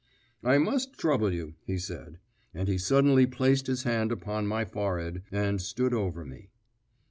"I must trouble you," he said; and he suddenly placed his hand upon my forehead, and stood over me.